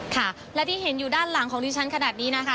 ค่ะและที่เห็นอยู่ด้านหลังของดิฉันขนาดนี้นะคะ